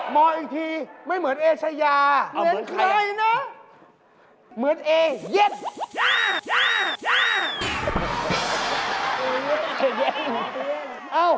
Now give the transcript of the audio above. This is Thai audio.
มองอีกทีไม่เหมือนเอเชยา